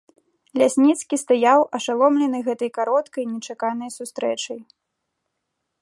Лясніцкі стаяў, ашаломлены гэтай кароткай, нечаканай сустрэчай.